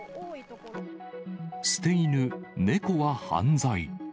捨て犬、ねこは犯罪。